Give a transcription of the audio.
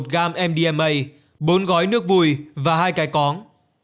một gram mdma bốn gói nước vùi và hai cái cóng